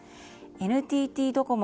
ＮＴＴドコモ